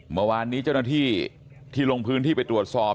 เมื่อวานนี้เจ้าหน้าที่ที่ลงพื้นที่ไปตรวจสอบ